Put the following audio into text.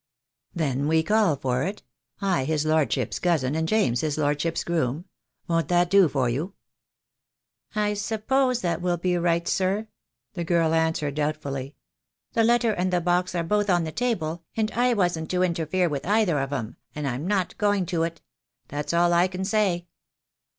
"Then we call for it. I, his lordship's cousin, and James, his lordship's groom. Won't that do for you?" THE DAY WILL COME. 1 85 "I suppose that will be right, sir," the girl answered doubtfully. "The letter and the box are both on the table, and I wasn't to interfere with either of 'em, and I'm not going to it. That's all I can say."